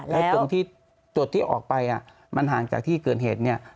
แล้วตรงที่จุดที่ออกไปมันห่างจากที่เกิดเหตุเนี่ย